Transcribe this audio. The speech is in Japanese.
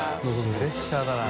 プレッシャーだな。